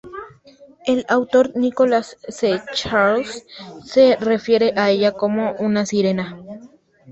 El autor Nicholas C. Charles se refiere a ella como una sirena.